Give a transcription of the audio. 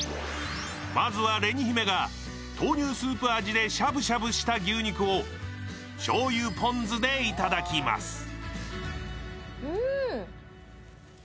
まずは、れに姫が豆乳スープ味でしゃぶしゃぶした牛肉をしょうゆポン酢でいただきます。